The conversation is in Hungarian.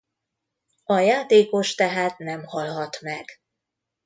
A játékos tehát nem halhat meg.